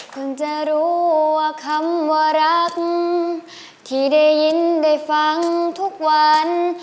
คงจะรู้ว่าคำว่ารักที่ได้ยินได้ฟังทุกวัน